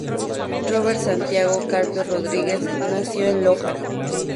Robert Santiago Carpio Rodríguez nació en Loja.